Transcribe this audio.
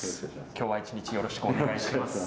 今日は一日よろしくお願いします。